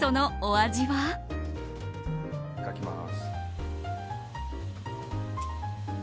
いただきます。